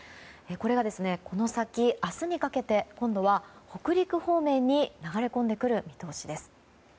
これが、この先明日にかけて今度は北陸方面に流れ込んでくる見通しです。